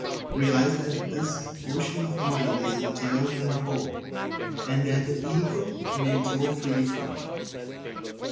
Realize that this Ocean of Mind is entire and Whole, and that the Ego may draw freely from it.